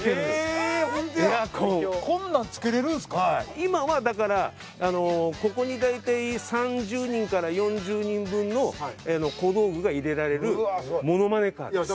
今はだからここに大体３０人から４０人分の小道具が入れられるモノマネカーです。